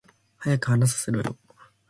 早く話させろよ